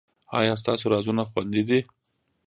ایا ستاسو رازونه خوندي دي؟